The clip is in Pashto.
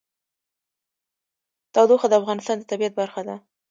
تودوخه د افغانستان د طبیعت برخه ده.